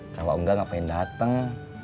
kalau enggak ngapain dateng